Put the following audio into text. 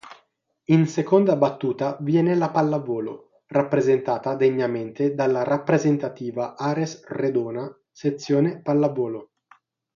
In seconda battuta viene la pallavolo, rappresentata degnamente dalla rappresentativa Ares Redona Sezione Pallavolo.